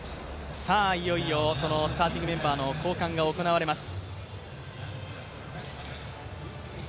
いよいよスターティングメンバーの交換が行われます。